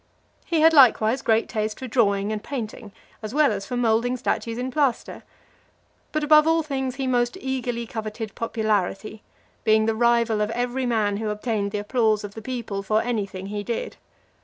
LIII. He had likewise great taste for drawing and painting, as well as for moulding statues in plaster. But, above all things, he most eagerly coveted popularity, being the rival of every man who obtained the applause of the people for any thing he did.